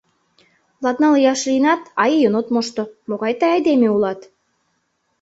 Латныл ияш лийынат, а ийын от мошто, могай тый айдеме улат?!